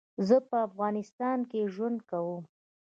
زه په افغانستان کي ژوند کوم